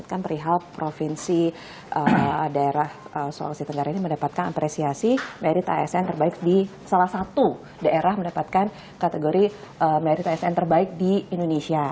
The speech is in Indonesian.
kan perihal provinsi daerah sulawesi tenggara ini mendapatkan apresiasi dari asn terbaik di salah satu daerah mendapatkan kategori mayoritas asn terbaik di indonesia